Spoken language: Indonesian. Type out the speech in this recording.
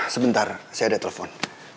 sebentar saya ada telepon